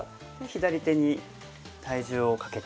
左手に体重をかけて。